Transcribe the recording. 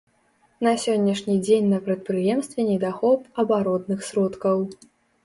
На сённяшні дзень на прадпрыемстве недахоп абаротных сродкаў.